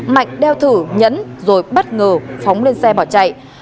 mạnh đeo thử nhẫn rồi bất ngờ phóng lên xe bỏ chạy